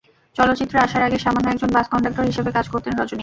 চলচ্চিত্রে আসার আগে সামান্য একজন বাস কনডাক্টর হিসেবে কাজ করতেন রজনী।